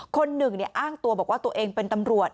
คนหนึ่งอ้างตัวบอกว่าตัวเองเป็นตำรวจ